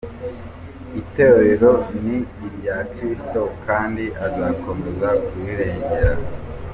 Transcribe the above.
Itorero ni irya Kristo Kandi Azakomeza kurirengera.